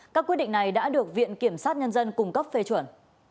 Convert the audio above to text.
các quyết định này đã được viện kiểm sát nhân dân cung cấp phê chuẩn